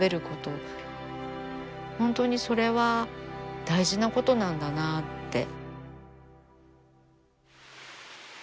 本当にそれは大事なことなんだなって。